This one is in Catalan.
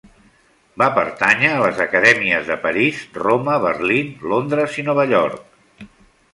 Va pertànyer a les Acadèmies de París, Roma, Berlín, Londres i Nova York.